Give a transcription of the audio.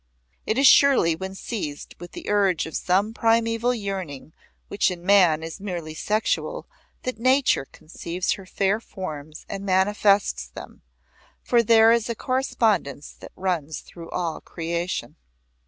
It is surely when seized with the urge of some primeval yearning which in man is merely sexual that Nature conceives her fair forms and manifests them, for there is a correspondence that runs through all creation.